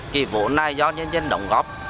thì vốn này do nhân dân đồng góp